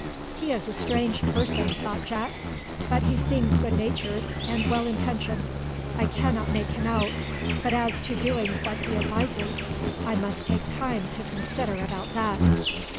"He is a strange person," thought Jack, "but he seems good natured and well intentioned. I cannot make him out, but as to doing what he advises, I must take time to consider about that."